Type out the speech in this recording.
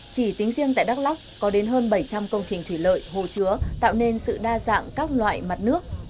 chỉ tính riêng tại đắk lắk có đến hơn bảy trăm linh công trình thủy lợi hồ chứa tạo nên sự đa dạng các loại mặt nước